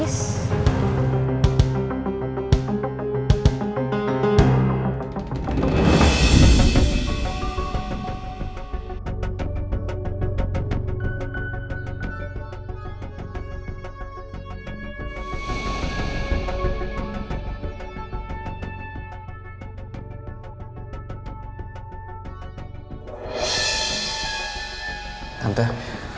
kisah cintanya tragis